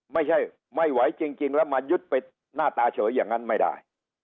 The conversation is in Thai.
ไม่ไหวจริงแล้วมายึดไปหน้าตาเฉยอย่างนั้นไม่ได้